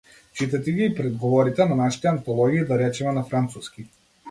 Читајте ги предговорите на нашите антологии, да речеме на француски.